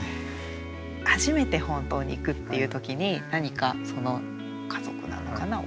初めて本当に行くっていう時に何かその家族なのかな？